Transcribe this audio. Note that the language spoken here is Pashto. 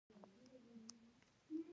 طاهر په جرمنی کي خپل ژوند تیروی